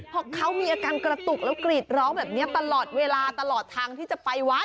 พอเขามีอาการกระตุกแล้วกรีดร้องแบบนี้ตลอดเวลาตลอดทางที่จะไปวัด